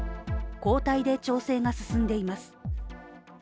交代で調整が進んでいます。